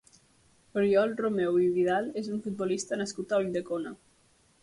Oriol Romeu i Vidal és un futbolista nascut a Ulldecona.